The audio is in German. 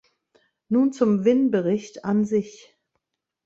Nun zum Wynn-Bericht an sich.